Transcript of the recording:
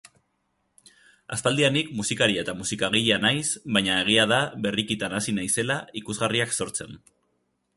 Aspaldidanik musikaria eta musikagilea naiz bainan egia da berrikitan hasi naizela ikusgarriak sortzen.